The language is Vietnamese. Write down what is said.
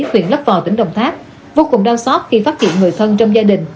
huyện lấp vò tỉnh đồng tháp vô cùng đau xót khi phát hiện người thân trong gia đình